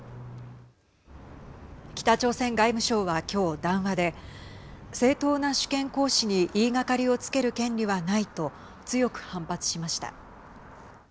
北朝鮮外務省は、きょう談話で正当な主権行使に言いがかりをつける権利はないと強く反発しました。